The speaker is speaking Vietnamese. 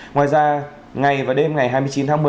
ngoài ra ngày và đêm ngày hai mươi chín tháng một mươi